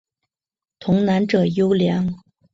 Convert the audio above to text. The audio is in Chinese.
童男者尤良。